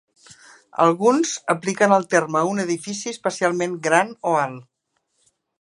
Alguns apliquen el terme a un edifici especialment gran o alt.